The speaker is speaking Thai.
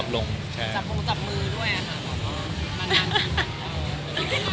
จับมือจับมือด้วยมันกลับจืน